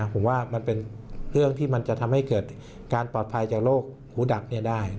ผมว่ามันเป็นเรื่องที่มันจะทำให้เกิดการปลอดภัยจากโรคหูดับได้